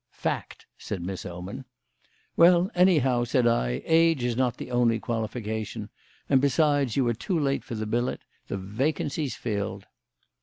"Fact," said Miss Oman. "Well, anyhow," said I, "age is not the only qualification. And, besides, you are too late for the billet. The vacancy's filled."